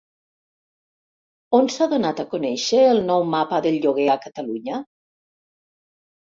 On s'ha donat a conèixer el nou Mapa del Lloguer a Catalunya?